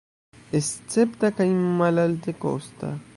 Escepta kaj malaltekosta.